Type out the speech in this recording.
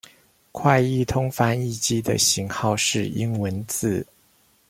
快譯通翻譯機的型號是英文字